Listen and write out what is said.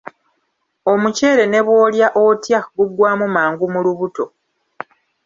Omuceere ne bwolya otya gugwamu mangu mu lubuto.